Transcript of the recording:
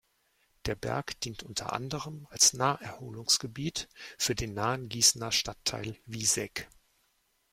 Der Berg dient unter anderem als Naherholungsgebiet für den nahen Gießener Stadtteil Wieseck.